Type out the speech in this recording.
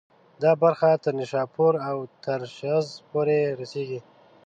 دا برخه تر نیشاپور او ترشیز پورې رسېږي.